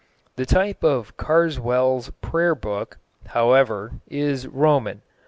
The type of Carswell's Prayer Book, however, is Roman.